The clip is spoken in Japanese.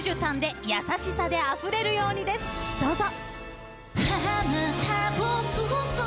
どうぞ！